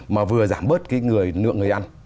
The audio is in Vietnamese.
mà vừa giảm bớt cái người lượng người ăn